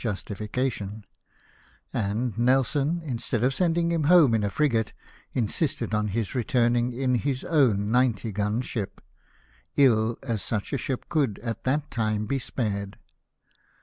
303 justification ; and Nelson, instead of sending him home in a frigate, insisted on his returning in his own ninety gun ship, ill as such a ship could at that time be spared.